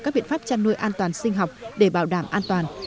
các biện pháp chăn nuôi an toàn sinh học để bảo đảm an toàn